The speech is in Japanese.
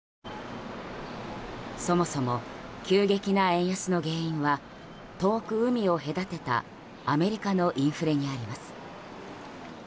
そもそも、急激な円安の原因は遠く海を隔てたアメリカのインフレにあります。